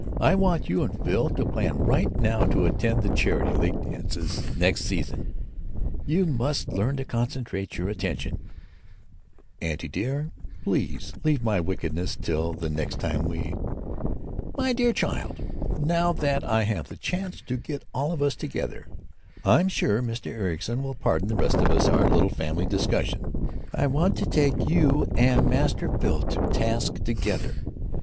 I want you and Phil to plan right now to attend the Charity League dances next season. You must learn to concentrate your attention——" "Auntie dear, please leave my wickedness till the next time we——" "My dear child, now that I have the chance to get all of us together—I'm sure Mr. Ericson will pardon the rest of us our little family discussions—I want to take you and Master Phil to task together.